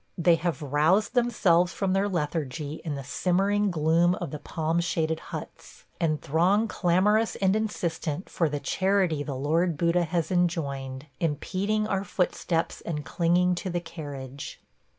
They have roused themselves from their lethargy in the simmering gloom of the palm shaded huts, and throng clamorous and insistent for the charity the Lord Buddha has enjoined, impeding our footsteps and clinging to the carriage.